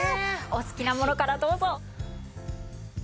お好きなものからどうぞ。